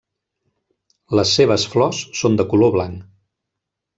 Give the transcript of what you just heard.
Les seves flors són de color blanc.